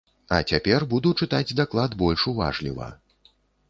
А цяпер буду чытаць даклад больш уважліва.